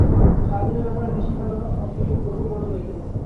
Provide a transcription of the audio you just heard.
সারাদিনের ব্যাপারে দিশেহারা অপুর মনে হইল।